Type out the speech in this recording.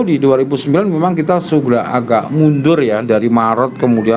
di dua ribu sembilan memang kita sudah agak mundur ya dari maret kemudian